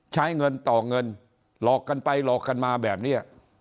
ใช้เงินต่อเงินหลอกกันไปหลอกกันมาแบบนี้